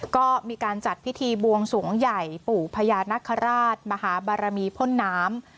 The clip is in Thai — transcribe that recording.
ก็มีการจัดพิธีบวงสวงใหญ่ปู่พญานคราชมหาบารมีพ่นน้ำ